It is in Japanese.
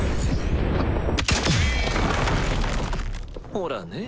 ほらね？